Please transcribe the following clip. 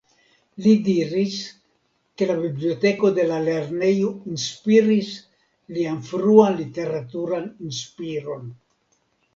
Li diris ke la biblioteko de la lernejo inspiris lian fruan literaturan inspiron.